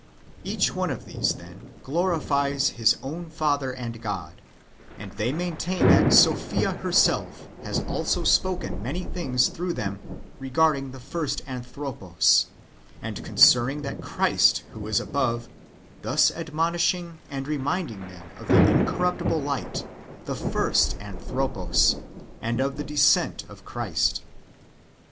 Each one of these, then, glorifies his own father and God, and they maintain that Sophia herself has also spoken many things through them regarding the first Anthropos (man),^ and concerning that Christ who is above, thus admonishing and reminding men of the incorruptible light, the first Anthropos, and of the descent of Christ.